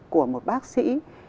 của một bác sĩ